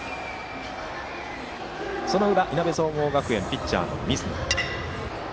その裏、いなべ総合学園ピッチャーの水野。